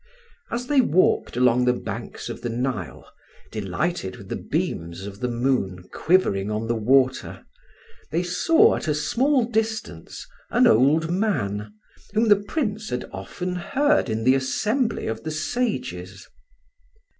As they walked along the banks of the Nile, delighted with the beams of the moon quivering on the water, they saw at a small distance an old man whom the Prince had often heard in the assembly of the sages.